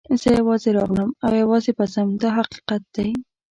زه یوازې راغلم او یوازې به ځم دا حقیقت دی.